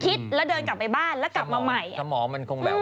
คิดแล้วเดินกลับไปบ้านแล้วกลับมาใหม่สมองมันคงแบบว่า